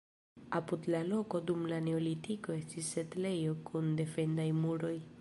Apud la loko dum la neolitiko estis setlejo kun defendaj muroj.